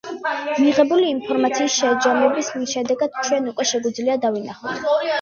მიღებული ინფორმაციის შეჯამების შედეგად, ჩვენ უკვე შეგვიძლია დავინახოთ.